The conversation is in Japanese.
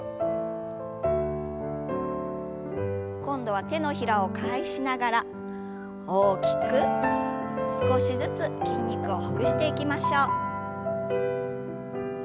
今度は手のひらを返しながら大きく少しずつ筋肉をほぐしていきましょう。